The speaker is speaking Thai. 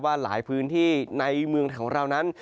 หลายพื้นที่ในเมืองของเรานั้น